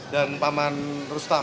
dan paman rustam